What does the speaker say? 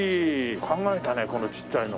考えたねこのちっちゃいの。